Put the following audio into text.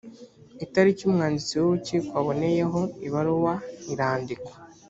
itariki umwanditsi w’urukiko aboneyeho ibaruwa irandikwa